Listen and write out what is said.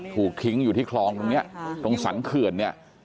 ถูกทิ้งอยู่ที่คลองตรงนี้ตรงสรรเขื่อนเนี่ย